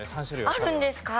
あるんですか？